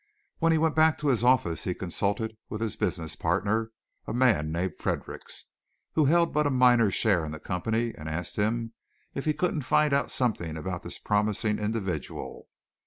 When he went back to his office he consulted with his business partner, a man named Fredericks, who held but a minor share in the company, and asked him if he couldn't find out something about this promising individual.